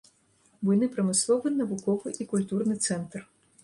Буйны прамысловы, навуковы і культурны цэнтр.